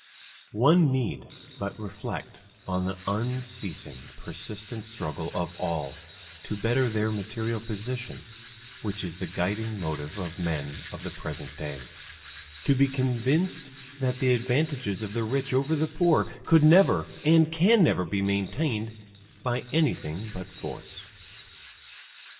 One need but reflect on the unceasing, persistent struggle of all to better their material position, which is the guiding motive of men of the present day, to be convinced that the advantages of the rich over the poor could never and can never be maintained by anything but force.